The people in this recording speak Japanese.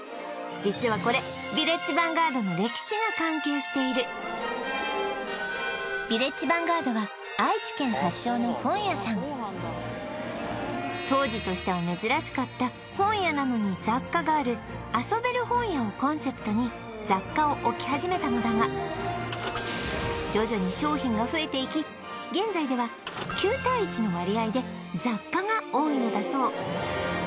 実はこれヴィレッジヴァンガードの歴史が関係しているヴィレッジヴァンガードは愛知県発祥の本屋さん当時としては珍しかったをコンセプトに雑貨を置き始めたのだが徐々に商品が増えていき現在では９対１の割合で雑貨が多いのだそう